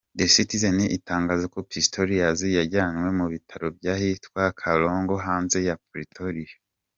The Citizen itangaza ko Pistorius yajyanywe mu bitaro by’ahitwa Kalafong hanze ya Pretoria.